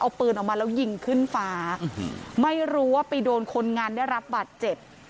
เอาปืนออกมาแล้วยิงขึ้นฟ้าไม่รู้ว่าไปโดนคนงานได้รับบาดเจ็บ